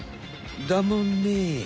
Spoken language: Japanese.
だもんね。